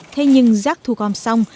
thế nhưng rác thu gom xong